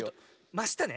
ましたね。